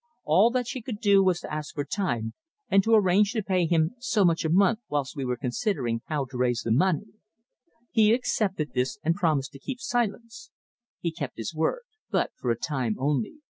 All that she could do was to ask for time, and to arrange to pay him so much a month whilst we were considering how to raise the money. He accepted this, and promised to keep silence. He kept his word, but for a time only.